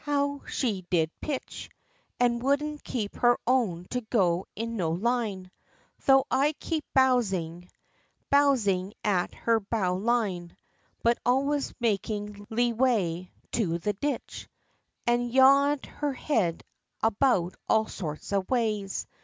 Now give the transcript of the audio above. how she did pitch! And wouldn't keep her own to go in no line, Tho' I kept bowsing, bowsing at her bow line, But always making lee way to the ditch, And yaw'd her head about all sorts of ways.